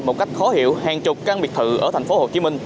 một cách khó hiểu hàng chục căn biệt thự ở tp hcm